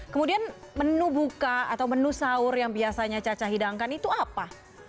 kemudian menu buka atau menu sahur yang biasanya caca hidangkan itu apa